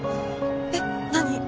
えっ何？